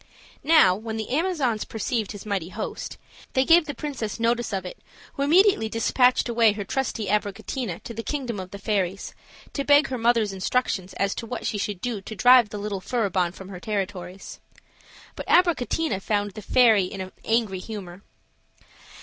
Now, when the Amazons perceived his mighty host, they gave the princess notice of its who immediately dispatched away her trusty Abricotina to the kingdom of the fairies, to beg her mother's instructions as to what she should do to drive the little Furibon from her territories. But Abricotina found the fairy in an angry humor.